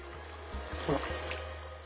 ほら。